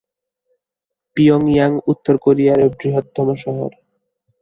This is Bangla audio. পিয়ং ইয়াং উত্তর কোরিয়ার বৃহত্তম শহর।